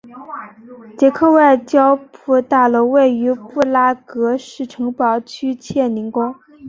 捷克外交部大楼位于布拉格市城堡区切宁宫。